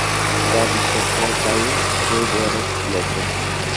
যা বিশ্বাস করে তা-ই সে দেয়ালে লেখে।